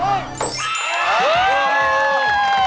โอเค